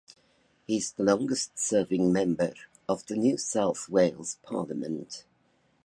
He is the longest-serving member of the New South Wales parliament.